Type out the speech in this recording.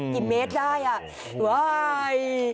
กี่เมตรได้